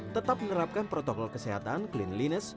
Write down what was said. tetap menerapkan protokol kesehatan cleanliness